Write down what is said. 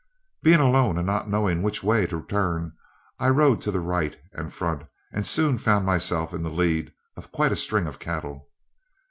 Being alone, and not knowing which way to turn, I rode to the right and front and soon found myself in the lead of quite a string of cattle.